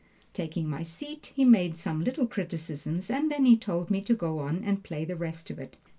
Taking my seat he made some little criticisms, and then he told me to go on and play the rest of it.